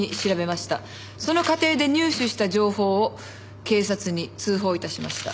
その過程で入手した情報を警察に通報致しました。